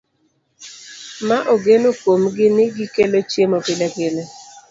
Ma ogeno kuomgi ni gikelo chiemo pilepile